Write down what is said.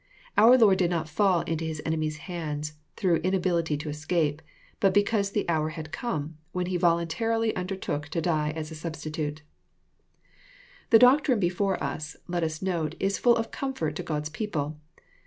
Our Lord did not fall Into His enemies' ha nds th rough inability to escape, but because the " hour had com^," When He voluntarily under took to die as a substitute. — The doctrine before us, let us note, is fUll of comfort to God's people.